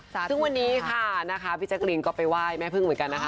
ซึ่งวันนี้ค่ะนะคะพี่แจ๊กรีนก็ไปไหว้แม่พึ่งเหมือนกันนะคะ